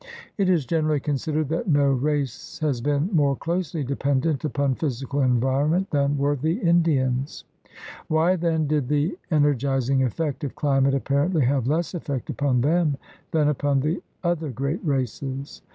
It is generally considered that no race has been r more closely dependent upon physical environment than were the Indians. Why, then, did the ener gizing effect of climate apparently have less effect upon them than upon the other great races.?